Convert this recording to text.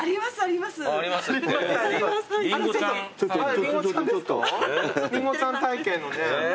りんごちゃん体形のね